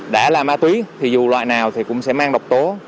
đã là ma túy thì dù loại nào thì cũng sẽ mang độc tố